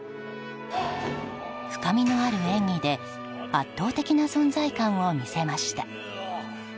深みのある演技で圧倒的な存在感を見せました。